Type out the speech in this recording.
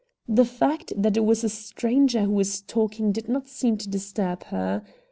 The fact that it was a stranger who was talking did not seem to disturb her.